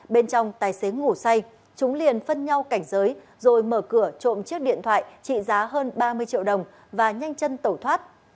bên trong tài xế ngủ say chúng liền phân nhau cảnh giới rồi mở cửa trộm chiếc điện thoại trị giá hơn ba mươi triệu đồng và nhanh chân tẩu thoát